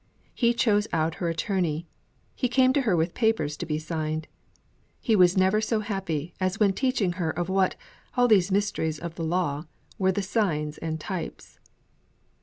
He chose out her attorney; he came to her with papers to be signed. He was never so happy as when teaching her of what all these mysteries of the law were the signs and types.